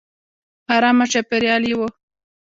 ارامه چاپېریال یې و.